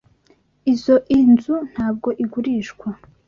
Izoi nzu ntabwo igurishwa.